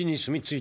い。